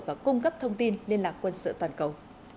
và cung cấp thông tin liên lạc quân sự toàn cầu